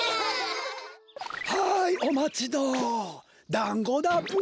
はいおまちどうだんごだブ。